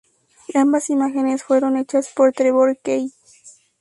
Ambas imágenes fueron hechas por Trevor Key.